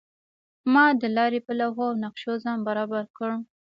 ما د لارې په لوحو او نقشو ځان برابر کړ.